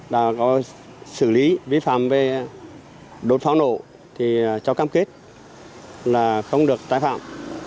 đã có xử lý vi phạm về đốt pháo nổ thì cho cam kết là không được tái phạm